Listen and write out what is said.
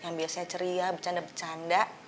yang biasanya ceria bercanda bercanda